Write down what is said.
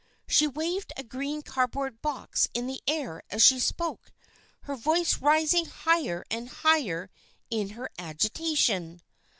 She waved a green cardboard box in the air as she spoke, her voice rising higher and higher in her agitation.